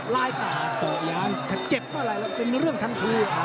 ลายต่อต่อยางถ้าเจ็บก็อะไรแล้วเป็นเรื่องทั้งคู่